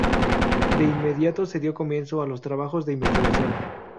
De inmediato se dio comienzo a los trabajos de investigación.